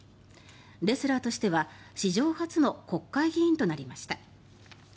レスラーとしては史上初の国会議員となりました。